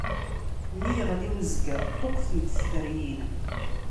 Mi iɣli uzger, ṭṭuqqtent tferyin.